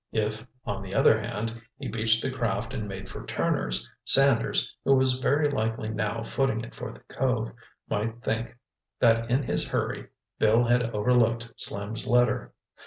If, on the other hand, he beached the craft and made for Turner's, Sanders, who was very likely now footing it for the cove, might think that in his hurry Bill had overlooked Slim's letter.